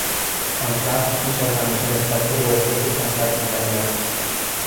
آن شب بیش از همیشه نسبت به او احساس شهوت میکردم.